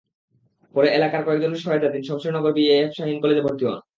পরে এলাকার কয়েকজনের সহায়তায় তিনি শমশেরনগর বিএএফ শাহীন কলেজে ভর্তি হন।